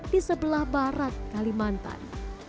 di sebelah barat kalimantan